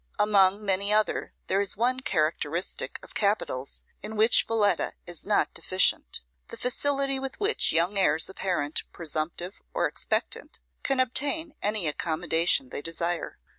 Among many other, there is one characteristic of capitals in which Valetta is not deficient: the facility with which young heirs apparent, presumptive, or expectant, can obtain any accommodation they desire.